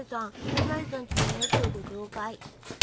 サザエさんちのおやつをご紹介！